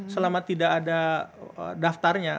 selama tidak ada daftarnya